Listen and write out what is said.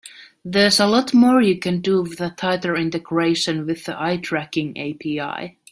There's a lot more you can do with a tighter integration with the eye tracking API.